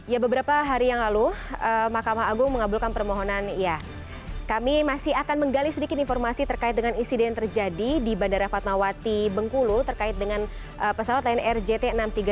ya beberapa hari yang lalu mahkamah agung mengabulkan permohonan ya kami masih akan menggali sedikit informasi terkait dengan insiden terjadi di bandara fatmawati bengkulu terkait dengan pesawat lion air jt enam ratus tiga puluh